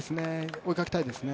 追いかけたいですね。